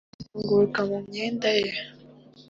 ibyo bizunguruka mu myenda yawe